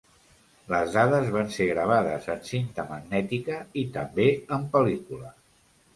Les dades van ser gravades en cinta magnètica i també en pel·lícula.